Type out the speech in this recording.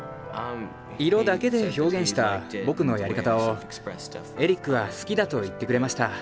色だけで表現した僕のやり方をエリックは好きだと言ってくれました。